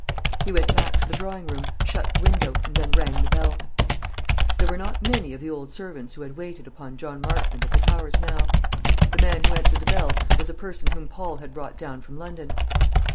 He went back to the drawing room, shut the window, and then rang the bell. There were not many of the old servants who had waited upon John Marchmont at the Towers now. The man who answered the bell was a person whom Paul had brought down from London.